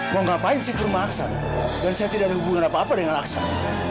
mau ngapain sih kurma aksan dan saya tidak ada hubungan apa apa dengan aksan